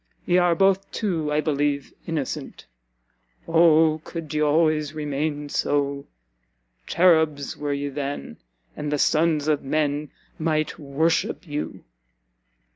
Ye are both, too, I believe, innocent Oh could ye always remain so! Cherubs were ye then, and the sons of men might worship you!"